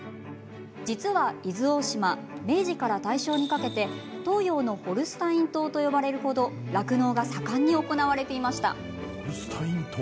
実は伊豆大島明治から大正にかけて東洋のホルスタイン島と呼ばれる程酪農が盛んに行われていました。